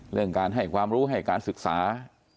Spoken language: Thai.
เรื่องการให้ความรู้ให้การศึกษา